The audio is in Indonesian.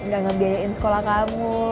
gak ngebiayain sekolah kamu